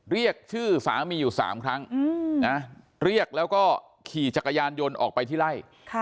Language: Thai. เรียกชื่อสามีอยู่๓ครั้งเรียกแล้วก็ขี่จักรยานยนต์ออกไปที่ไล่